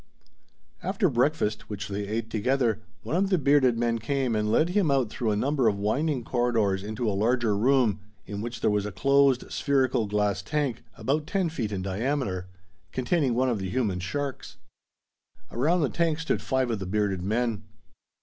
After breakfast, which they ate together, one of the bearded men came and led him out through a number of winding corridors into a larger room, in which there was a closed spherical glass tank, about ten feet in diameter, containing one of the human sharks. Around the tank stood five of the bearded men.